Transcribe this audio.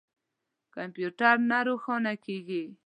کمپیوټر نه روښانه کیږي